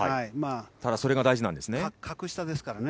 ただそれが大事なんですね。